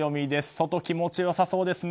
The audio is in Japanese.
外、気持ち良さそうですね。